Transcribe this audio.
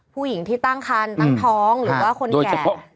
ผู้หญิงที่ตั้งคันตั้งท้องหรือว่าคนแก่